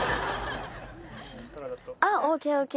あっＯＫＯＫ！